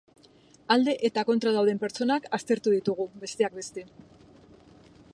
Alde eta kontra dauden pertsonak aztertu ditugu, besteak beste.